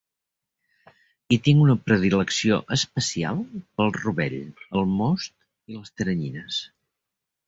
I tinc una predilecció especial pel rovell, el most i les teranyines.